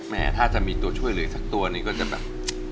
ถ้าจะมีตัวช่วยเหลือสักตัวนี้ก็จะแบบ